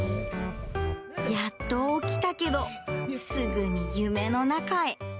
やっと起きたけど、すぐに夢の中へ。